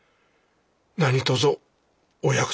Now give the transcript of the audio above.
何とぞお約束の事。